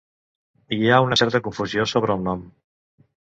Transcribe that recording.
Hi ha certa confusió sobre el nom.